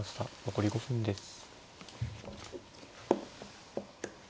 残り５分です。